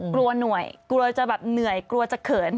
กลัวหน่วยกลัวจะแบบเหนื่อยกลัวจะเขิน